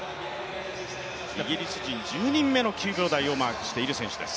イギリス人１０人目の９秒台をマークしている選手です。